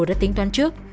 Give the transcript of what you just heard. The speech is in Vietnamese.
đã tính toán trước